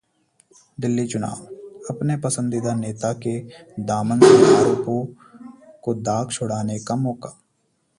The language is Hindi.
दिल्ली चुनाव: अपने पसंदीदा नेता के दामन से आरोपों के दाग छुड़ाने का मौका